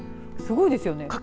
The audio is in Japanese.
すごいですよね。